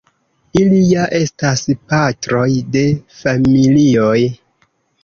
ili ja estas patroj de familioj.